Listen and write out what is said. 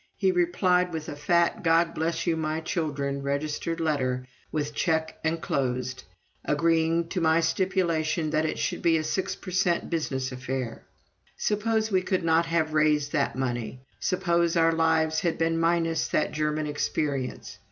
he replied with a fat God bless you my children registered letter, with check enclosed, agreeing to my stipulation that it should be a six per cent business affair. Suppose we could not have raised that money suppose our lives had been minus that German experience!